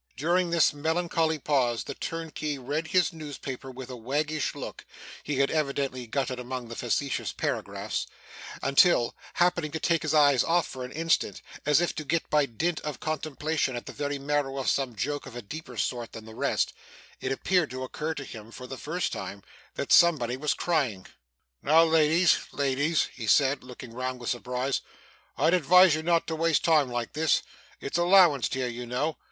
During this melancholy pause, the turnkey read his newspaper with a waggish look (he had evidently got among the facetious paragraphs) until, happening to take his eyes off for an instant, as if to get by dint of contemplation at the very marrow of some joke of a deeper sort than the rest, it appeared to occur to him, for the first time, that somebody was crying. 'Now, ladies, ladies,' he said, looking round with surprise, 'I'd advise you not to waste time like this. It's allowanced here, you know.